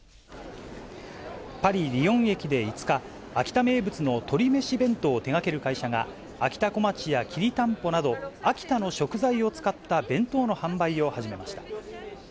パリ・リヨン駅で５日、秋田名物の鶏めし弁当を手がける会社が、あきたこまちやきりたんぽなど、秋田の食材を使った弁当の販売を始めました。